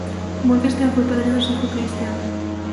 Morgenstern fue padrino de su hijo Christian.